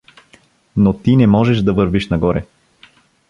Но ти не можеш да вървиш нагоре!